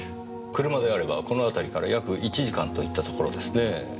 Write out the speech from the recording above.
車であればこの辺りから約１時間といったところですね。